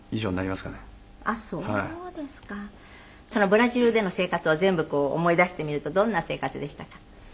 ブラジルでの生活を全部思い出してみるとどんな生活でしたか？